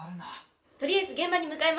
とりあえず現場に向かいます。